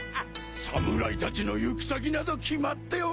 侍たちの行く先など決まっておるわ。